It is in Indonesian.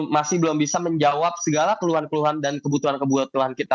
masih belum bisa menjawab segala keluhan keluhan dan kebutuhan kebutuhan kita